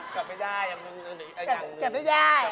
กลับไปได้อย่างนึง